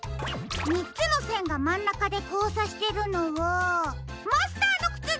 みっつのせんがまんなかでこうさしてるのはマスターのくつだ！